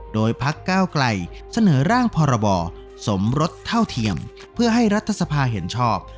โดยพักก้าวไกลเสนอร่างพรบสมรสเท่าเทียมเพื่อให้รัฐสภาเห็นชอบ